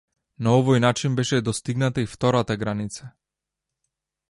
На овој начин беше достигната и втората граница.